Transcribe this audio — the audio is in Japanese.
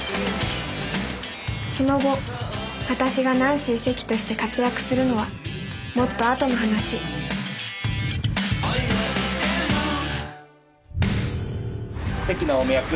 その後私がナンシー関として活躍するのはもっとあとの話関直美役